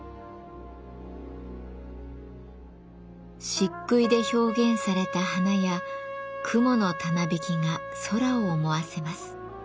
しっくいで表現された花や雲のたなびきが空を思わせます。